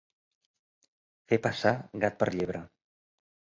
Fer passar gat per llebre